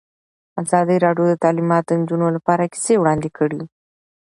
ازادي راډیو د تعلیمات د نجونو لپاره کیسې وړاندې کړي.